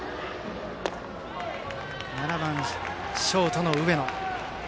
打席には、７番ショートの上野。